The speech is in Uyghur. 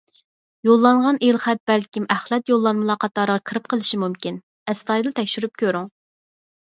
يوللانغان ئېلخەت بەلكىم ئەخلەت يوللانمىلار قاتارىغا كىرىپ قېلىشى مۇمكىن، ئەستايىدىل تەكشۈرۈپ كۆرۈڭ.